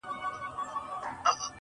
هغې ويل ه نور دي هيڅ په کار نه لرم.